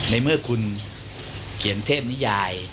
ในเมื่อคุณเขียนเทพนิยาย